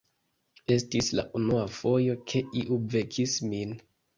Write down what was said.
Estis la unua fojo, ke iu vekis min.